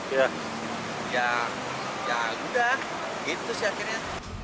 ya ya udah gitu sih akhirnya